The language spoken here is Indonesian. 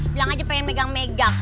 bilang aja pengen megang megang